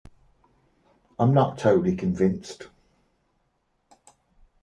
I'm not totally convinced!